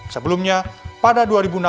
sebelumnya pada dua ribu enam belas